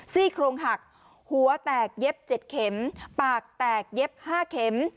ซี่โครงหักหัวแตกเย็บ๗เข็มปากแตกเย็บ๕เข็ม